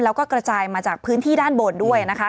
แล้วก็กระจายมาจากพื้นที่ด้านบนด้วยนะคะ